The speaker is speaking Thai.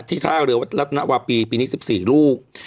ท่าเรือวัดรัตนวาปีปีนี้๑๔ลูก